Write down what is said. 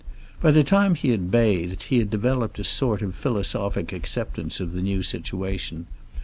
By the time he had bathed he had developed a sort of philosophic acceptance of the new situation.